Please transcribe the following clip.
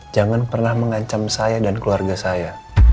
jangan pernah mengancam saya dan keluarga saya